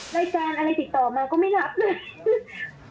รายการอะไรติดต่อมาก็ไม่รับเลย